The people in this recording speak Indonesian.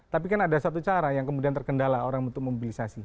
tapi kan ada satu cara yang kemudian terkendala orang untuk mobilisasi